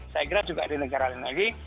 saya kira juga di negara lain lagi